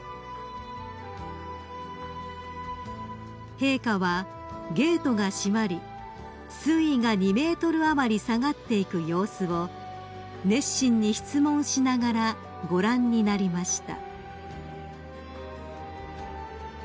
［陛下はゲートが閉まり水位が２ｍ余り下がっていく様子を熱心に質問しながらご覧になりました］